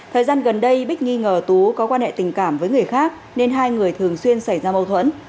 thời gian gần đây bích nghi ngờ tú có quan hệ tình cảm với người khác nên hai người thường xuyên xảy ra mâu thuẫn